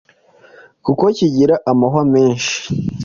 kuko kigira amahwa menshi